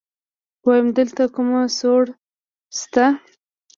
ويم دلته کومه سوړه شته.